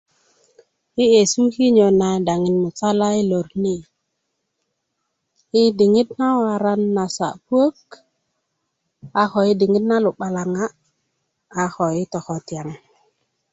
yi' yesu kinyo na daŋin musala yi lor ni yi diŋit na waran yi sa puwök a ko yi diŋit na lu'balaŋa a ko yi tokotyaŋ